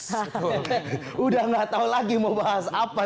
sudah nggak tahu lagi mau bahas apa